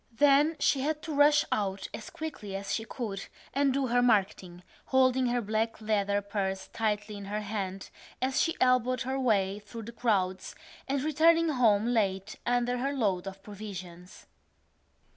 Then she had to rush out as quickly as she could and do her marketing, holding her black leather purse tightly in her hand as she elbowed her way through the crowds and returning home late under her load of provisions.